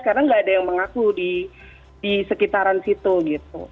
karena nggak ada yang mengaku di sekitaran situ gitu